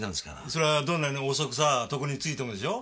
それはどんなに遅くさぁ床についてもでしょ？